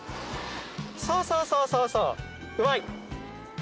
そうそうそうそうそううまい。